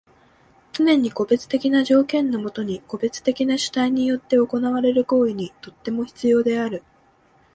つねに個別的な条件のもとに個別的な主体によって行われる行為にとっても必要である。